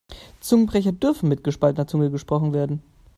Zungenbrecher dürfen mit gespaltener Zunge gesprochen werden.